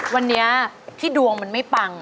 วันนี้ที่ดวงมันไม่ปัง